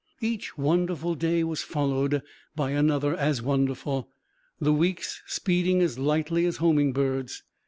Each wonderful day was followed by another as wonderful, the weeks speeding as lightly as homing birds.